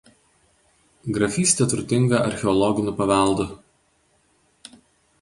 Grafystė turtinga archeologiniu paveldu.